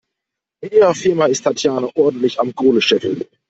Mit ihrer Firma ist Tatjana ordentlich am Kohle scheffeln.